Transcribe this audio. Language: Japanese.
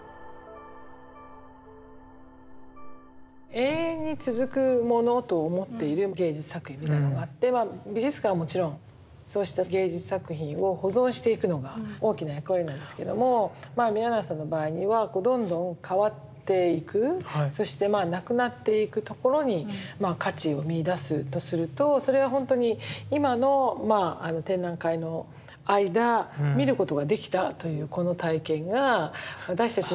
永遠に続くものと思っている芸術作品みたいなのがあって美術館はもちろんそうした芸術作品を保存していくのが大きな役割なんですけどもまあ宮永さんの場合にはどんどん変わっていくそしてまあなくなっていくところに価値を見いだすとするとそれはほんとに今の展覧会の間見ることができたというこの体験が私たちの記憶として残っていく。